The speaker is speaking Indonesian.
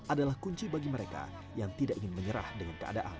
adalah kunci bagi mereka yang tidak ingin menyerah dengan keadaan